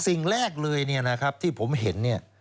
สิ่งแรกเลยเนี่ยนะครับที่ผมเห็นเนี่ย